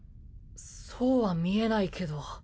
そうは見えないけど。